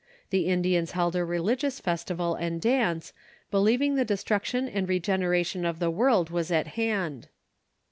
The Indians held a religious festival and dance, believing the destruction and regeneration of the world was at hand.